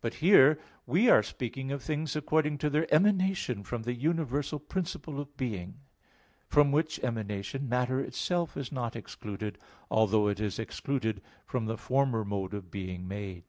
But here we are speaking of things according to their emanation from the universal principle of being; from which emanation matter itself is not excluded, although it is excluded from the former mode of being made.